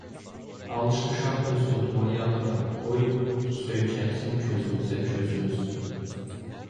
Alışmışam öz oduma yanıram, Qoy söykənsin közümüzə közümüz.